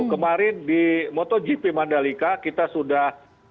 kemarin di motogp mandalika kita sudah ya kita sudah melakukan uji coba ya